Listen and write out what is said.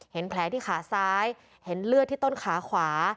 เห็นแผลที่ขาซ้ายเห็นเลือดที่ต้นขาขวา